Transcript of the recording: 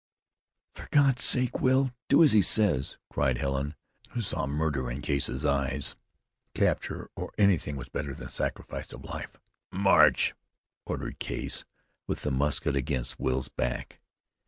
"For God's sake! Will, do as he says," cried Helen, who saw murder in Case's eyes. Capture or anything was better than sacrifice of life. "March!" ordered Case, with the musket against Will's back.